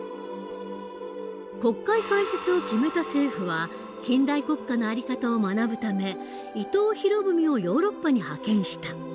国会開設を決めた政府は近代国家の在り方を学ぶため伊藤博文をヨーロッパに派遣した。